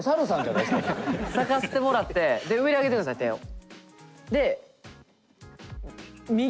咲かせてもらってで上にあげてください手を。